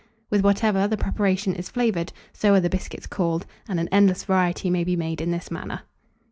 With whatever the preparation is flavoured, so are the biscuits called; and an endless variety may be made in this manner.